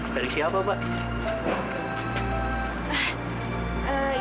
dari siapa mbak